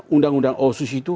undang undang otsus itu